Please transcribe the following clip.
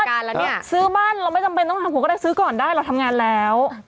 แล้วเนี่ยซื้อบ้านเราไม่จำเป็นต้องทำผมก็ได้ซื้อก่อนได้เราทำงานแล้ว